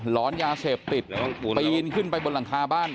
หอนยาเสพติดปีนขึ้นไปบนหลังคาบ้าน